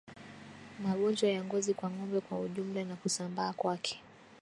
Magonjwa ya ngozi kwa ngombe kwa ujumla na kusambaa kwake